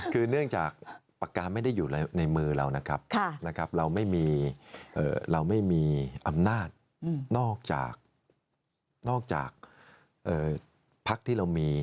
คือเนื่องจากปากกาไม่ได้อยู่ในมือเรานะครับเราไม่มีเราไม่มีอำนาจนอกจากนอกจากพักที่เรามี